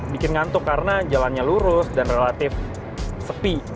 bikin ngantuk karena jalannya lurus dan relatif sepi